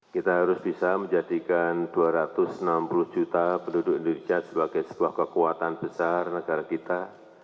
kita harus bisa menjadikan dua ratus enam puluh juta penduduk indonesia sebagai sebuah kekuatan besar negara kita